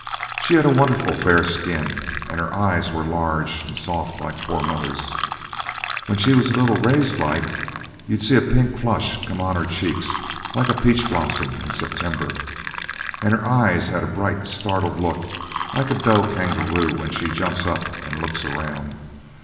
She had a wonderful fair skin, and her eyes were large and soft like poor mother's. When she was a little raised like you'd see a pink flush come on her cheeks like a peach blossom in September, and her eyes had a bright startled look like a doe kangaroo when she jumps up and looks round.